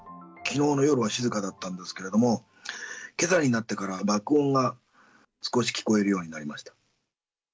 きのうの夜は静かだったんですけども、けさになってから、爆音が少し聞こえるようになりました。